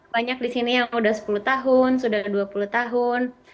banyak di sini yang sudah sepuluh tahun sudah dua puluh tahun